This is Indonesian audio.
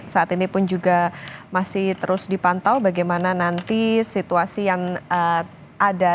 saat ini pun juga masih terus dipantau bagaimana nanti situasi yang ada